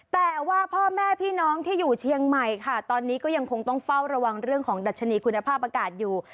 แต่ว่าพ่อแม่พี่น้องที่อยู่เชียงใหม่ค่ะตอนนี้ก็ยังคงต้องเฝ้าระวังเรื่องของดัชนีคุณภาพอากาศอยู่